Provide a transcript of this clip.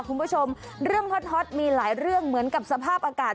คุณผู้ชมเรื่องฮอตมีหลายเรื่องเหมือนกับสภาพอากาศ